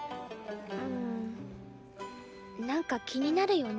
うんなんか気になるよね。